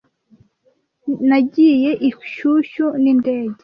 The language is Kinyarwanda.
Nagiye i Kyushu nindege.